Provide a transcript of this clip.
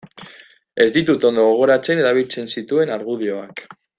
Ez ditut ondo gogoratzen erabiltzen zituen argudioak.